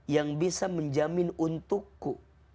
yang bisa menjamin untukku